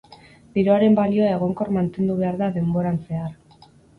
Diruaren balioa egonkor mantendu behar da denboran zehar.